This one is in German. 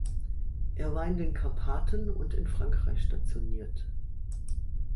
Er war in den Karpaten und in Frankreich stationiert.